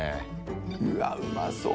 うわっうまそう。